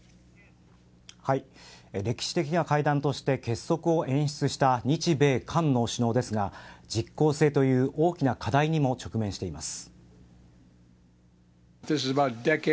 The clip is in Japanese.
歴史的な会談として結束を演出した日米韓の首脳ですが実効性という大きな課題にも直面しています。